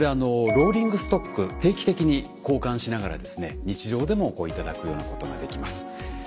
ローリングストック定期的に交換しながら日常でも頂くようなことができます。